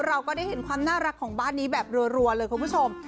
เราก็ได้เห็นความน่ารักของบ้านนี้แบบรัวเลยคุณผู้ชม